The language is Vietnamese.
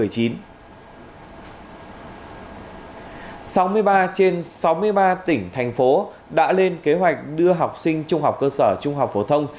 sáu mươi ba trên sáu mươi ba tỉnh thành phố đã lên kế hoạch đưa học sinh trung học cơ sở trung học phổ thông